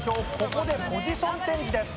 ここでポジションチェンジです